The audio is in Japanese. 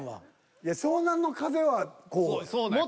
いや湘南乃風はこうやん。